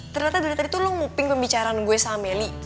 ternyata dari tadi tuh lu moping pembicaraan gue sama meli